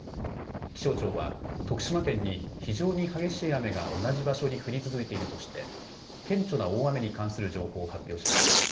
気象庁は徳島県に非常に激しい雨が同じ場所に降り続いているとして顕著な大雨に関する情報を発表しました。